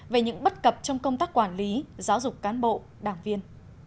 về những bất cập trong công tác quản lý giáo dục cán bộ đảng viên